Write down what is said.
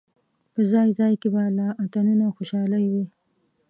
په ځای ځای کې به لا اتڼونه او خوشالۍ وې.